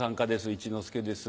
一之輔です。